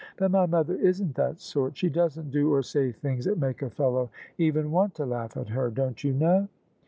But my mother isn't that sort: she doesn't do or say things that make a fellow even want to laugh at her, don't you know?"